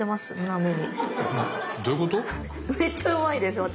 めっちゃうまいです私。